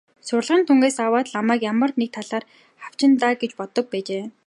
Сурлагын дүнгээс аваад л намайг ямар нэг талаар хавчина даа гэж боддог байжээ.